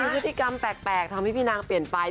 พฤติกรรมแปลกทำให้พี่นางเปลี่ยนไป